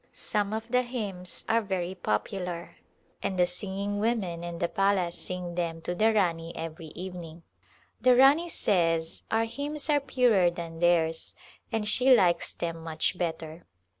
Some of the hymns are very popular and the singing women of the palace sing them to the Rani every evening. The Rani says our hymns are purer than theirs and she likes them much better.